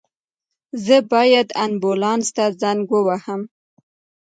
زه باید آنبولاس ته زنګ ووهم